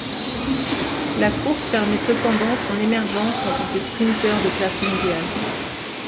La course permet cependant son émergence en tant que sprinter de classe mondiale.